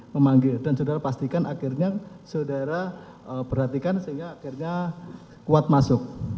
memanggil dan saudara pastikan akhirnya saudara perhatikan sehingga akhirnya kuat masuk